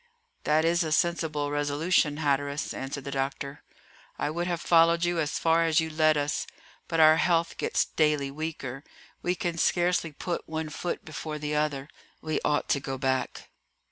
"That is a sensible resolution, Hatteras," answered the doctor; "I would have followed you as far as you led us, but our health gets daily weaker; we can scarcely put one foot before the other; we ought to go back."